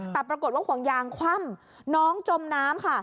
แต่ปรากฏว่าห่วงยางคว่ำน้องจมน้ำค่ะ